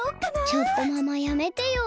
ちょっとママやめてよ